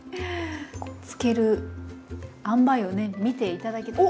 漬けるあんばいをねみて頂けたら。